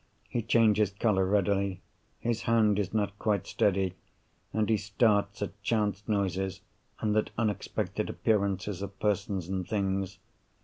He changes colour readily; his hand is not quite steady; and he starts at chance noises, and at unexpected appearances of persons and things.